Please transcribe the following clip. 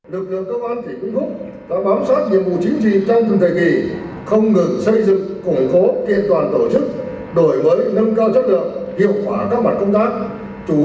lực lượng công an tỉnh vĩnh phúc đã bám sát nhiệm vụ chính trị trong từng thời kỳ